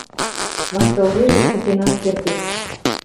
ваштылдежӹ цӹтен ак кердеп.